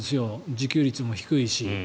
自給率も低いし。